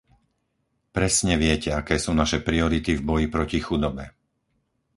Presne viete, aké sú naše priority v boji proti chudobe.